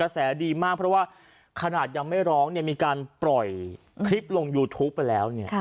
แสดีมากเพราะว่าขนาดยังไม่ร้องมีการปล่อยคลิปลงยูทูปไปแล้วเนี่ย